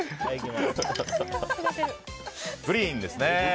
グリーンですね。